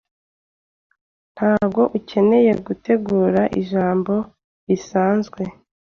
Ntabwo ukeneye gutegura ijambo risanzwe.